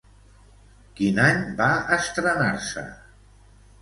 Quin any va estrenar-se?